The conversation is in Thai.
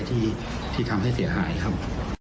ที่ทำให้เสียหายครับ